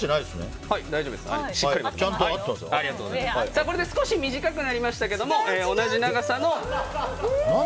これで少し短くなりましたけども違う、違う！